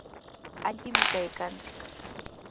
Allimi kaykanchik.